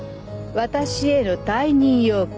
私への退任要求。